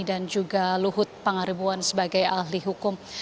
dan juga luhut pangaribuan sebagai ahli hukum